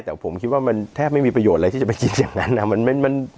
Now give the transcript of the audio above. แต่ผมคิดว่ามันแทบไม่มีประโยชน์อะไรที่จะไปคิดอย่างนั้นนะ